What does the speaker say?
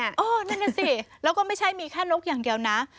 นั่นน่ะสิแล้วก็ไม่ใช่มีแค่นกอย่างเดียวนะ